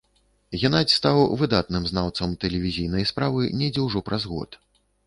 Генадзь стаў выдатным знаўцам тэлевізійнай справы недзе ўжо праз год.